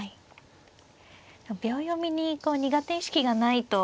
秒読みに苦手意識がないと。